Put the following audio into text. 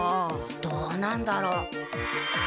どうなんだろ。